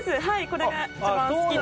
これが一番好きな。